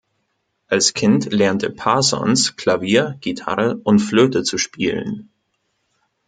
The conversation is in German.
Als Kind lernte Parsons, Klavier, Gitarre und Flöte zu spielen.